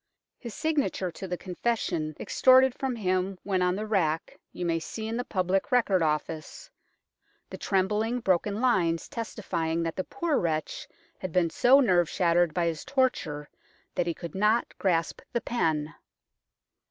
His signature to the confession extorted from him when on the rack you may see in the Public Record Office, the trembling, broken lines testifying that the poor wretch had been so nerve shattered by his torture that he could not grasp the pen.